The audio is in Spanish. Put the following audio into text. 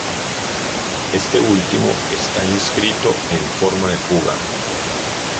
Este último está escrito en forma de fuga.